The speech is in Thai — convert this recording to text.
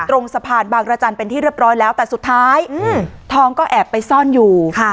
ตรงสะพานบางรจันทร์เป็นที่เรียบร้อยแล้วแต่สุดท้ายทองก็แอบไปซ่อนอยู่